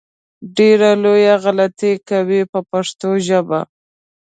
ډېره لویه غلطي کوي په پښتو ژبه.